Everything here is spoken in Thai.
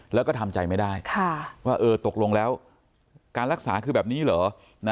แล้วก็ทำใจไม่ได้ว่าตกลงแล้วการรักษาคือแบบนี้เหรอ